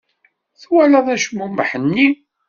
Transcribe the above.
Twalaḍ acmumeḥ-nni?